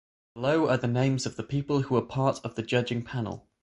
Below are the names of the people who were part of the judging panel.